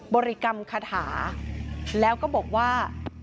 บริกรรมคาถาแล้วก็บอกว่า